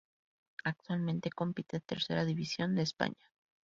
Actualmente compite en Tercera División de España.